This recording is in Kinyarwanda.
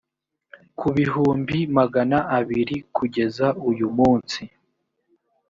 ku bihumbi magana abiri kugeza uyumunsi